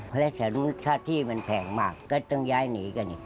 เพราะฉะนั้นค่าที่มันแพงมากก็ต้องย้ายหนีกันอีก